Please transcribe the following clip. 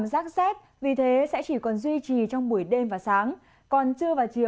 cảm giác rét vì thế sẽ chỉ còn duy trì trong buổi đêm và sáng còn chưa vào chiều trời nắng ấm